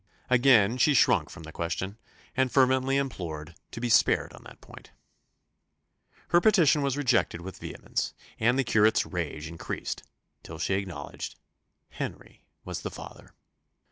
Again she shrunk from the question, and fervently implored "to be spared on that point." Her petition was rejected with vehemence; and the curate's rage increased till she acknowledged, "Henry was the father."